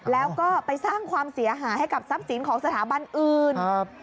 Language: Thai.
แล้วก็ไปสร้างความเสียหายให้กับทรัพย์สินของสถาบันอื่น